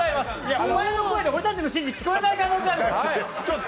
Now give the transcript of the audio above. お前の声で俺たちの指示、聞こえない可能性ある。